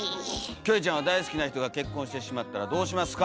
キョエちゃんは大好きな人が結婚してしまったらどうしますか？